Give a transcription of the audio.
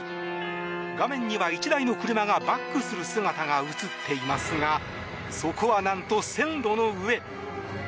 画面には１台の車がバックする姿が映っていますがそこはなんと、線路の上。